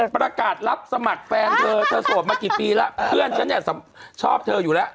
ประกาศรับสมัครแฟนเธอเธอโสดมากี่ปีแล้วเพื่อนฉันเนี่ยชอบเธออยู่แล้ว